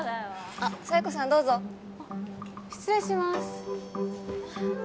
あっ佐弥子さんどうぞあっ失礼します